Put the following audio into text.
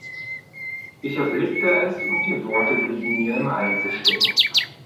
Ich erblickte es und die Worte blieben mir im Halse stecken.